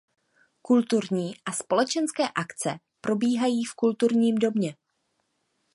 Kulturní a společenské akce probíhají v kulturním domě.